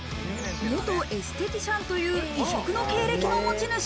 元エステティシャンという異色の経歴の持ち主。